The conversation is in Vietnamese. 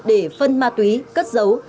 để phân ma túy cất dấu